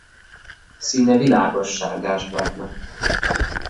Színe világos sárgásbarna.